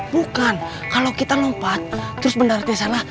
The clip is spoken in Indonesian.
bukan kalau kita lompat terus benar benar tersalah